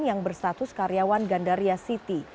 yang berstatus karyawan gandaria city